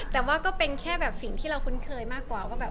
แต่ว่าก็เป็นแค่แบบสิ่งที่เราคุ้นเคยมากกว่าว่าแบบ